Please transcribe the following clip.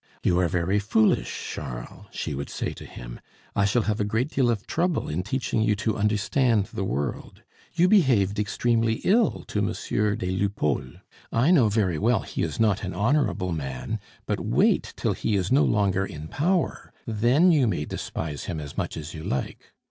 "You are very foolish, Charles," she would say to him. "I shall have a great deal of trouble in teaching you to understand the world. You behaved extremely ill to Monsieur des Lupeaulx. I know very well he is not an honorable man; but wait till he is no longer in power, then you may despise him as much as you like.